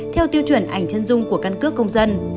theo tiêu chuẩn ảnh chân dung của hệ thống